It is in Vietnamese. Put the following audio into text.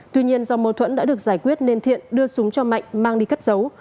tuy nhiên do mâu thuẫn đã được giải quyết nên thiện đưa súng cho mạnh mang đi cất giấu